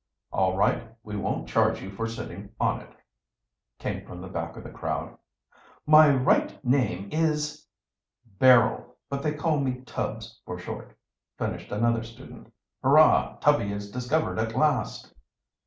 "All right, we won't charge you for sitting on it," came from the back of the crowd. "My right name is " "Barrel, but they call me Tubbs for short," finished another student. "Hurrah, Tubby is discovered at last."